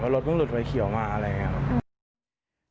รถเพิ่งหลุดไฟเขียวมาอะไรอย่างนี้ครับ